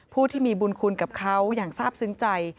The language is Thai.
ผู้ที่มีบุญคุณกับเขาอย่างทราบซึ้งใจ